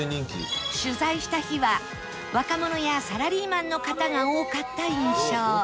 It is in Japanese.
取材した日は若者やサラリーマンの方が多かった印象